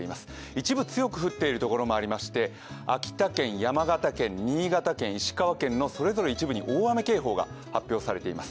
一部、強く降っているところもありまして秋田県、山形県、新潟県、石川県のそれぞれ一部に大雨警報が発表されています。